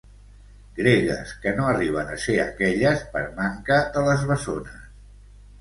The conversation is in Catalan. Gregues que no arriben a ser aquelles per manca de les bessones.